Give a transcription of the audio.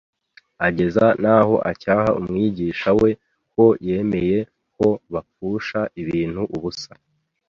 ageza n'aho acyaha Umwigisha we ko yemeye ko bapfusha ibintu ubusa